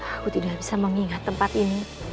aku tidak bisa mengingat tempat ini